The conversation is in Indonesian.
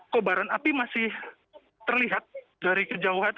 kobaran api masih terlihat dari kejauhan